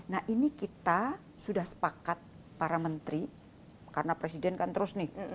nah ini kita sudah sepakat para menteri karena presiden kan terus nih